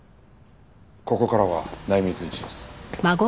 ここからは内密にします。